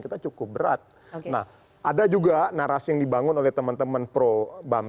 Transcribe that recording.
kita cukup berat nah ada juga narasi yang dibangun oleh teman teman pro bam